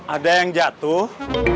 ada yang jatuh